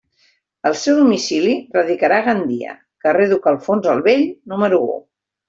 El seu domicili radicarà a Gandia, carrer Duc Alfons el Vell número u.